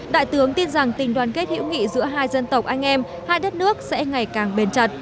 đại tướng tin rằng tình đoàn kết hữu nghị giữa hai dân tộc anh em hai đất nước sẽ ngày càng bền chặt